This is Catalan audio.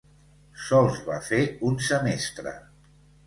Sols va fer un semestre.